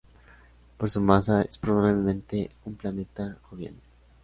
Por su masa, es probablemente un planeta joviano.